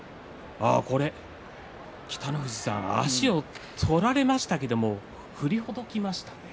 北の富士さん、足を取られましたけれども振りほどきましたね。